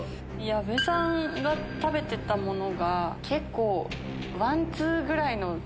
矢部さんが食べてたものが結構ワンツーぐらいの。